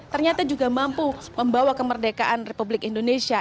ternyata juga mampu membawa kemerdekaan republik indonesia